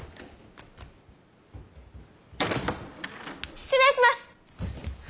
失礼します！